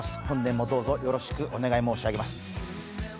本年もどうぞよろしくお願い申し上げます。